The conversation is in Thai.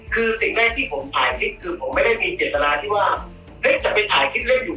คือสิ่งแรกที่ผมถ่ายคลิปคือผมไม่ได้มีเจตนาที่ว่าจะไปถ่ายคลิปเล่นอยู่